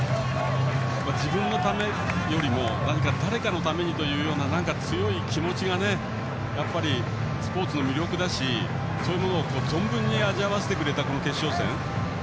自分のためよりも誰かのためにという強い気持ちがスポーツの魅力だしそれを存分に味わわせてくれた決勝戦。